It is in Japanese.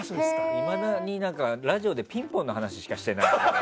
いまだにラジオで「ピンポン」の話しかしてない。